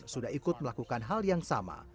sudah ikut melakukan hal yang sama